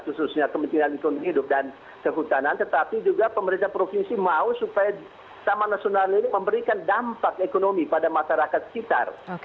khususnya kementerian lingkungan hidup dan kehutanan tetapi juga pemerintah provinsi mau supaya taman nasional ini memberikan dampak ekonomi pada masyarakat sekitar